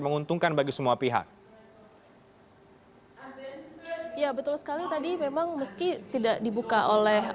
menguntungkan bagi semua pihak ya betul sekali tadi memang meski tidak dibuka oleh